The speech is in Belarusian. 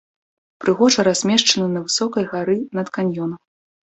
Прыгожа размешчана на высокай гары над каньёнам.